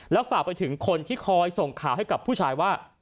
แล้วฝากไปถึงคนที่คอยส่งข่าวให้กับผู้ชายว่า